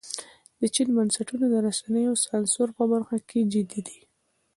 د چین بنسټونه د رسنیو سانسور په برخه کې جدي دي.